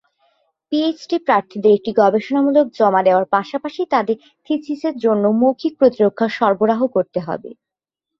PhD প্রার্থীদের একটি গবেষণামূলক জমা দেওয়ার পাশাপাশি তাদের থিসিসের জন্য মৌখিক প্রতিরক্ষা সরবরাহ করতে হবে।